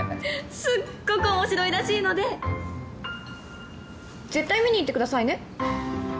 すっごく面白いらしいので絶対見に行ってくださいね。